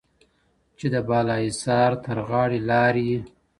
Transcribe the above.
چې د بالاحصار ترغاړې لار یې